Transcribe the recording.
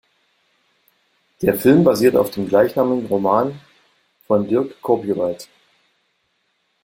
Der Film basiert auf dem gleichnamigen Roman von Dirk Kurbjuweit.